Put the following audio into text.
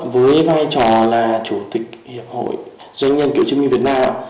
với vai trò là chủ tịch hiệp hội doanh nhân cựu chiến binh việt nam